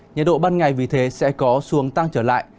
nhiệt độ ban ngày vì thế sẽ có xuống tăng trở lại